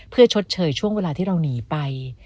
เพื่อชดเชยช่วงเวลาที่เราหนีไป